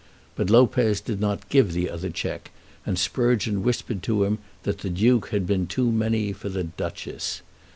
But Lopez did not give the other cheque, and Sprugeon whispered to him that the Duke had been too many for the Duchess.